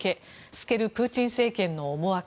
透けるプーチン政権の思惑。